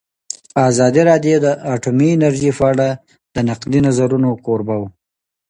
ازادي راډیو د اټومي انرژي په اړه د نقدي نظرونو کوربه وه.